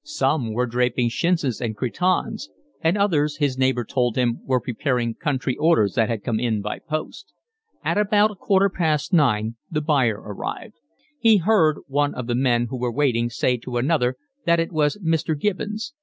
Some were draping chintzes and cretonnes, and others, his neighbour told him were preparing country orders that had come in by post. At about a quarter past nine the buyer arrived. He heard one of the men who were waiting say to another that it was Mr. Gibbons.